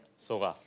そうか。